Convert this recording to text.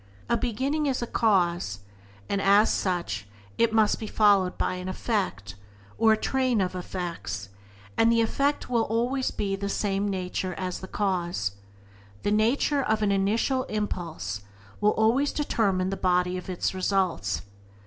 A beginning is a cause, and as such it must be followed by an effect, or a train of effects, and the effect will always be of the same nature as the cause. The nature of an initial impulse will always determine the body of its results.